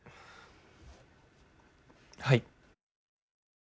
はい。